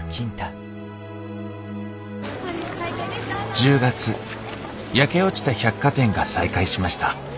１０月焼け落ちた百貨店が再開しました。